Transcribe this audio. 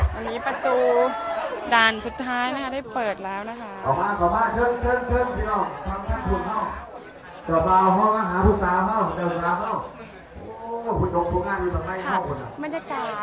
ตอนนี้ประตูด่านสุดท้ายนะคะได้เปิดแล้วนะคะ